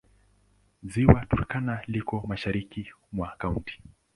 Ziwa Turkana liko mashariki mwa kaunti.